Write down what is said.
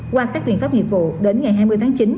qua các biện pháp nghiệp vụ đến ngày hai mươi tháng chín